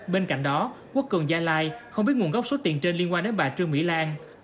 bên cạnh đó quốc cường gia lai không biết nguồn gốc số tiền trên liên quan đến bà trương mỹ lan